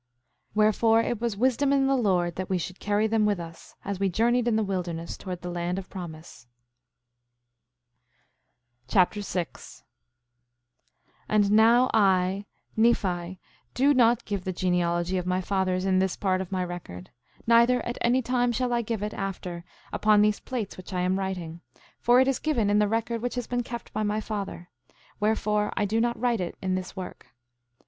5:22 Wherefore, it was wisdom in the Lord that we should carry them with us, as we journeyed in the wilderness towards the land of promise. 1 Nephi Chapter 6 6:1 And now I, Nephi, do not give the genealogy of my fathers in this part of my record; neither at any time shall I give it after upon these plates which I am writing; for it is given in the record which has been kept by my father; wherefore, I do not write it in this work.